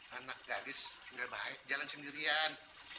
eh anak gadis gak baik jalan sendirian